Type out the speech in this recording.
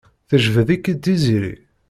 Tjebbed-ik-id Tiziri?